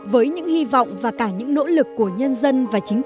với những hy vọng và cả những nỗ lực của nhân dân